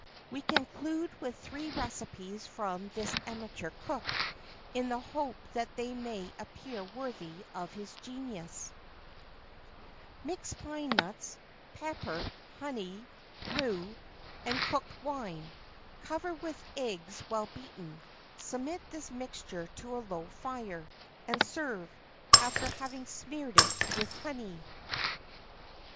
[XXIV 27] We conclude with three recipes by this amateur cook, in the hope that they may appear worthy of his genius: "Mix pine nuts, pepper, honey, rue, and cooked wine; cover with eggs well beaten; submit this mixture to a slow fire, and serve, after having smeared it with honey."